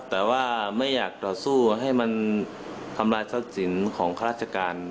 แต่ว่าไม่อยากต่อสู้ให้มันทำลายทรัพย์สินของข้าราชการ